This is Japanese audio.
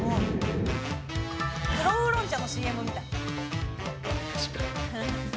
「黒ウーロン茶のＣＭみたい」